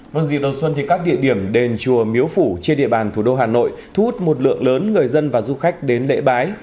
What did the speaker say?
vâng dịp đầu xuân thì các địa điểm đền chùa miếu phủ trên địa bàn thủ đô hà nội thu hút một lượng lớn người dân và du khách đến lễ bái